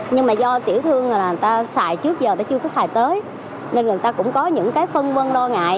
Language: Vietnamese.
như mà do tiểu thương người ta xài trước giờ nó chưa có xài tới nên người ta cũng có những cái phân quân đo ngại